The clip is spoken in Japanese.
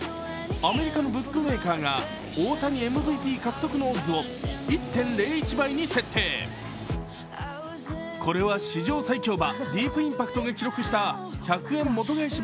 アメリカのブックメーカーが大谷ＭＶＰ獲得オッズを１．０１倍に設定、これは史上最強馬ディープインパクトが記録した１００円元返し